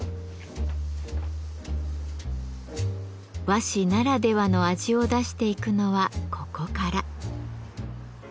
和紙ならではの味を出していくのはここから。